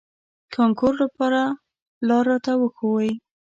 کانکور لپاره لار راته وښوئ.